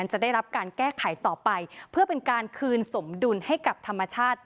จะได้รับการแก้ไขต่อไปเพื่อเป็นการคืนสมดุลให้กับธรรมชาติ